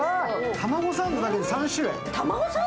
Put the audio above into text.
卵サンドだけで３種類。